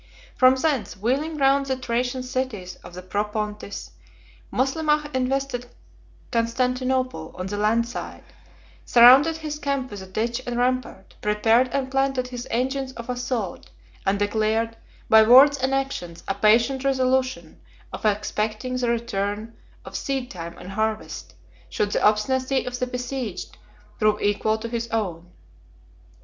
From thence, wheeling round the Thracian cities of the Propontis, Moslemah invested Constantinople on the land side, surrounded his camp with a ditch and rampart, prepared and planted his engines of assault, and declared, by words and actions, a patient resolution of expecting the return of seed time and harvest, should the obstinacy of the besieged prove equal to his own.